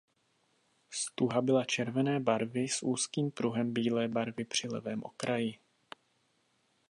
Stuha byla červené barvy s úzkým pruhem bílé barvy při levém okraji.